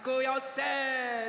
せの！